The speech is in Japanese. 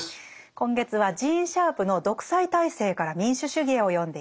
今月はジーン・シャープの「独裁体制から民主主義へ」を読んでいます。